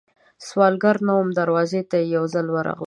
سوالګره نه وم، دروازې ته یې یوځل ورغلم